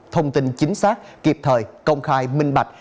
thông tin chính xác kịp thời công khai minh bạch